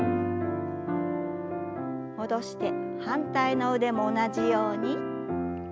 戻して反対の腕も同じように。